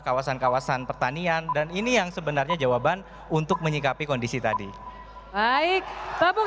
kawasan kawasan pertanian dan ini yang sebenarnya jawaban untuk menyikapi kondisi tadi baik tapi